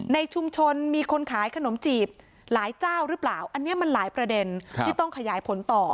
ในชุมชนมีคนขายขนมจีบหลายเจ้าหรือเปล่าอันนี้มันหลายประเด็นที่ต้องขยายผลต่อ